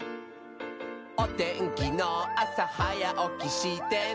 「おてんきのあさはやおきしてね」